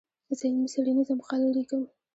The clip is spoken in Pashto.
زه علمي څېړنيزه مقاله ليکم.